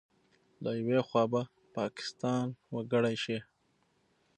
له یوې خوا به پاکستان وکړې شي